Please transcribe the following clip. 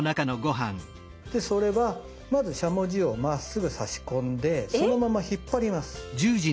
それはまずしゃもじをまっすぐ差し込んでそのまま引っ張ります。